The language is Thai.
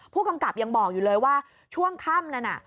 ผู้กำกับยังบอกอยู่เลยว่าช่วงค่ำนั้นน่ะ